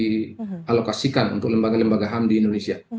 yang bisa di alokasikan untuk lembaga lembaga ham di indonesia